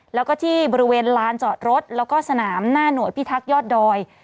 แล้วก็ที่บริเวณลานจอดรถแล้วก็สนามหน้าหน่วยพิทักษ์ยอดดอย